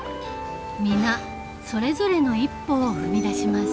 皆それぞれの一歩を踏み出します。